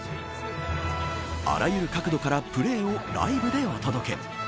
あらゆる角度からプレーをライブでお届け。